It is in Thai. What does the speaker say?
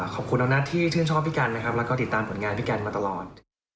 ขอบคุณน้องนัทที่ชื่นชอบพี่กันนะครับแล้วก็ติดตามผลงานพี่กันมาตลอด